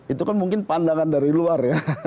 itu kan mungkin pandangan dari luar ya